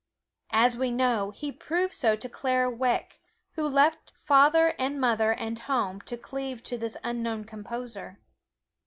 As we know, he proved so to Clara Wieck, who left father and mother and home to cleave to this unknown composer.